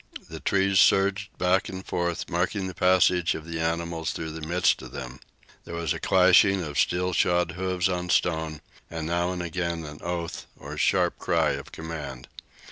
The trees surged back and forth, marking the passage of the animals through the midst of them. There was a clashing of steel shod hoofs on stone, and now and again a sharp cry of command.